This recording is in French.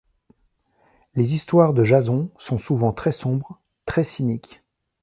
Les histoires de Jason sont souvent très sombres, très cyniques.